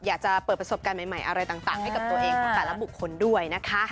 อยากจะเปิดประสบการณ์ใหม่อะไรต่างให้กับตัวเองของแต่ละบุคคลด้วยนะคะ